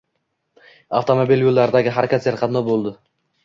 Avtomobil yo‘llaridagi harakat serqatnov bo‘ldi.